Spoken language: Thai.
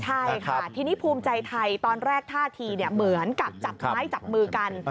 ใช่ค่ะทีนี้ภูมิใจไทยตอนแรกท่าทีเหมือนกับจับไม้จับมือกัน